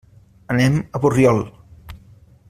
Anem a Borriol.